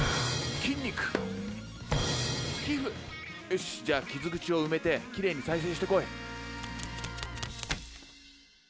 よしじゃあ傷口を埋めてきれいに再生してこい。